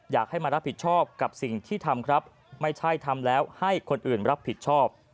อยากให้มารับผิดชอบกับสิ่งที่ทำครับไม่ใช่ทำแล้วให้คนอื่นรับผิดชอบ